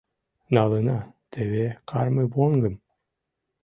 Налына теве кармывоҥгым.